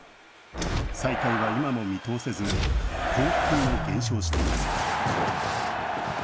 再開は今も見通せず、交付金も減少しています。